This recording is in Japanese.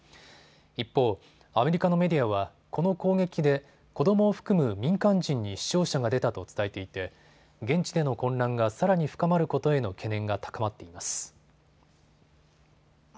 一方、アメリカのメディアはこの攻撃で子どもを含む民間人に死傷者が出たと伝えていて現地での混乱がさらに深まることへの懸念が高まっています。